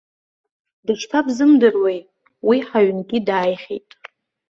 Дышԥабзымдыруеи, уи ҳаҩнгьы дааихьеит.